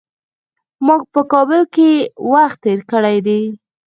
ما په کابل کي وخت تېر کړی دی .